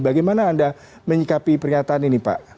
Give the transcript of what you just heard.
bagaimana anda menyikapi pernyataan ini pak